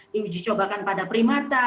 di uji cobakan pada primata